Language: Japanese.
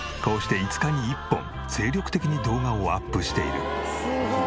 こうして５日に１本精力的に動画をアップしている。